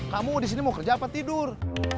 kamu di sini mau kerja apa tidur